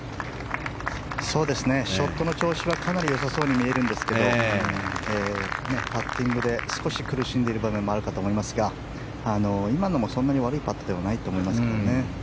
ショットの調子はかなり良さそうに見えるんですけれどもパッティングで少し苦しんでいる場面もあるかと思いますが今のもそんなに悪いパットではないと思いますけどね。